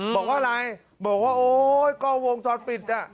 บอกว่าอะไรบอกว่าโอ๊ยกล้องวงจรปิดอ่ะ